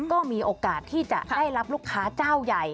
ก็มีโอกาสที่จะได้รับลูกค้าเจ้าใหญ่